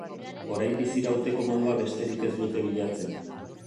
Orain bizirauteko modua besterik ez dute bilatzen.